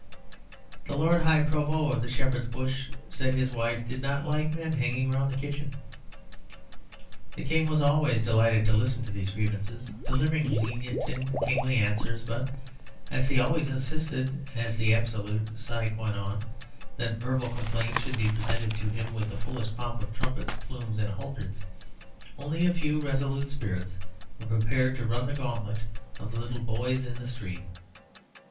The Lord High Provost of Shepherd's Bush said his wife did not like men hanging round the kitchen. The King was always delighted to listen to these grievances, delivering lenient and kingly answers, but as he always insisted, as the absolute sine qua non, that verbal complaints should be presented to him with the fullest pomp of trumpets, plumes, and halberds, only a few resolute spirits were prepared to run the gauntlet of the little boys in the street.